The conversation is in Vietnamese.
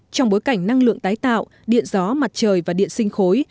trong bối cảnh năng lượng tái tạo điện gió mặt trời và điện sinh khối